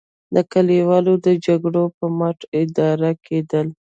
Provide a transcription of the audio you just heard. د کلیوالو د جرګو پر مټ اداره کېدل.